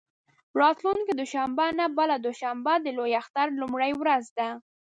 راتلونکې دوشنبه نه، بله دوشنبه د لوی اختر لومړۍ ورځ ده.